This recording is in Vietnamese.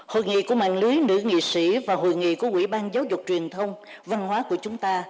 hội nghị của mạng lưới nữ nghị sĩ và hội nghị của quỹ ban giáo dục truyền thông văn hóa của chúng ta